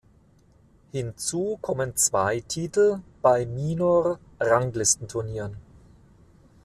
Hinzu kommen zwei Titel bei Minor-Ranglistenturnieren.